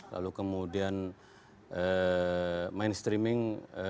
lalu kemudian mainstreaming